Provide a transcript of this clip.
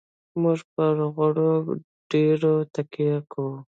موږ پر غوړ ډېره تکیه کوو.